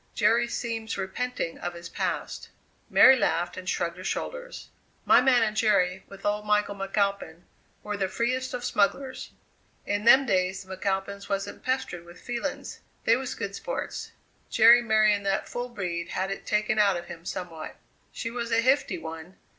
Jerry seems repenting of his past." Mary laughed and shrugged her shoulders. "My man and Jerry, with old Michael McAlpin, were the freest of smugglers. In them days the McAlpins wasn't pestered with feelings; they was good sports. Jerry marrying that full breed had it taken out of him somewhat she was a hifty one.